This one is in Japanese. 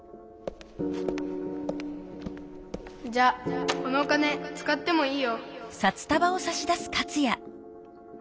じゃあこのお金つかってもいいよ。